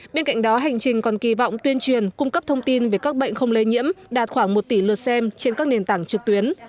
bên cạnh đó hành trình còn kỳ vọng tuyên truyền cung cấp thông tin về các bệnh không lây nhiễm đạt khoảng một tỷ lượt xem trên các nền tảng trực tuyến